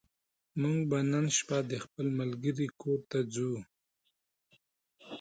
موږ به نن شپه د خپل ملګرې کور ته ځو